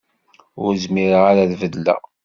Ur zmireɣ ara ad beddleɣ.